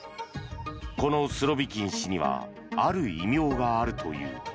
このスロビキン氏にはある異名があるという。